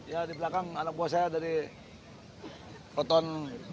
ya di belakang anak buah saya dari oton